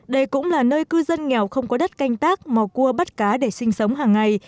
đây cũng là nơi cư dân nghèo không có đất canh tác mò cua bắt cá để sinh sống hàng ngày